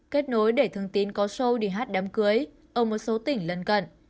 kết nối để thường tín có show đi hát đám cưới ở một số tỉnh lân cận